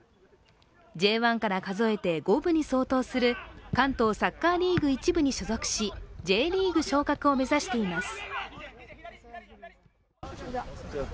Ｊ１から数えて５部に相当する関東サッカーリーグ１部に所属しＪリーグ昇格を目指しています。